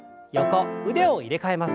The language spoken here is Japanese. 腕を入れ替えます。